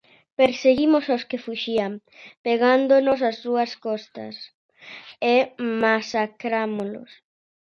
Perseguimos os que fuxían, pegándonos ás súas costas, e masacrámolos.